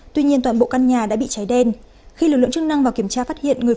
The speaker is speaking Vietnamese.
tuy nhiên toàn bộ căn nhà đã bị cháy đen khi lực lượng chức năng vào kiểm tra phát hiện người